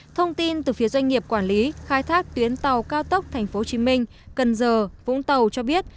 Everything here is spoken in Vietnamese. thông tin từ phía doanh nghiệp quản lý khai thác tuyến tàu cao tốc tp hcm cần giờ vũng tàu cho biết